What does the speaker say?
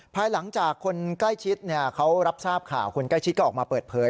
ภายหลังจากคนใกล้ชิดเขารับทราบข่าวคนใกล้ชิดก็ออกมาเปิดเผย